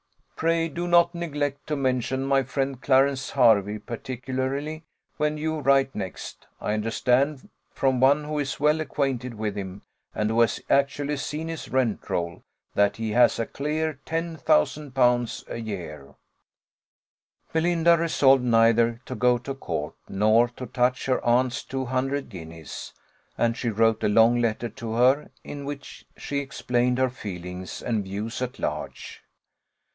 Pray do not neglect to mention my friend Clarence Hervey particularly when you write next. I understand from one who is well acquainted with him, and who has actually seen his rent roll, that he has a clear 10,000l. a year." Belinda resolved neither to go to court, nor to touch her aunt's two hundred guineas; and she wrote a long letter to her, in which she explained her feelings and views at large.